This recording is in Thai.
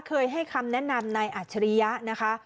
เคยให้คำแนะนำในอัชริยะ